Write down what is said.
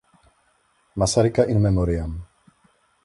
Masaryka in memoriam.